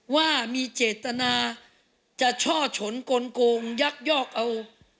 ว่ามีเจตนาจะช่อฉนกลงยักยอกเอา